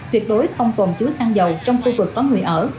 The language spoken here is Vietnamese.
tuyệt đối không tồn chứa xăng dầu trong khu vực có người ở